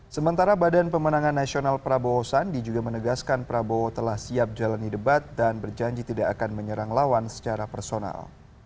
sementara badan pemenangan nasional prabowo sandi juga menegaskan prabowo telah siap jalani debat dan berjanji tidak akan menyerang lawan secara personal